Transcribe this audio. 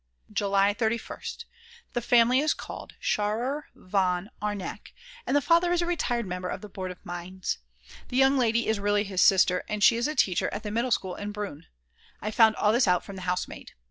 July 31st. The family is called Scharrer von Arneck, and the father is a retired member of the Board of Mines. The young lady is really his sister, and she is a teacher at the middle school in Brunn. I found all this out from the housemaid.